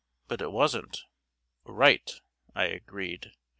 But it wasn't. "Right," I agreed.